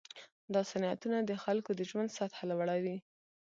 دا صنعتونه د خلکو د ژوند سطحه لوړوي.